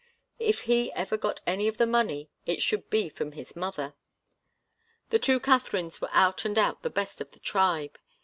If he ever got any of the money it should be from his mother. The two Katharines were out and out the best of the tribe.